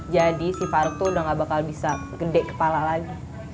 jadi si faruk tuh udah nggak bakal bisa gede kepala lagi